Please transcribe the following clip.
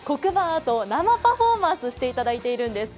アートを生パフォーマンスしていただいてるんです。